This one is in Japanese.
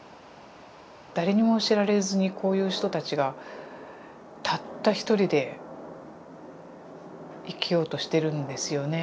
誰にも知られずにこういう人たちがたった一人で生きようとしてるんですよね。